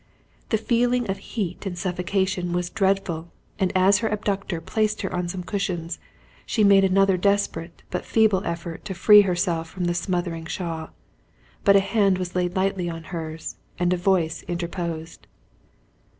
The feeling of heat and suffocation was dreadful and as her abductor placed her on some cushions, she made another desperate but feeble effort to free herself from the smothering shawl, but a hand was laid lightly on hers, and a voice interposed.